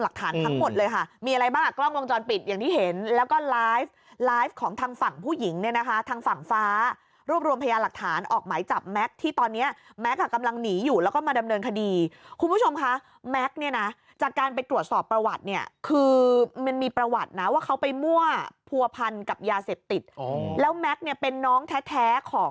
หลักฐานทั้งหมดเลยค่ะมีอะไรบ้างอ่ะกล้องวงจรปิดอย่างที่เห็นแล้วก็ไลฟ์ไลฟ์ของทางฝั่งผู้หญิงเนี่ยนะคะทางฝั่งฟ้ารวบรวมพยาหลักฐานออกหมายจับแม็กซ์ที่ตอนนี้แม็กซ์อ่ะกำลังหนีอยู่แล้วก็มาดำเนินคดีคุณผู้ชมคะแม็กซ์เนี่ยนะจากการไปตรวจสอบประวัติเนี่ยคือมันมีประวัตินะว่าเขาไปมั่วผัวพันกับยาเสพติดแล้วแม็กซ์เนี่ยเป็นน้องแท้ของ